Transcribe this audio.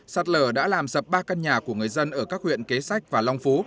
sạt lở đã làm sập ba căn nhà của người dân ở các huyện kế sách và long phú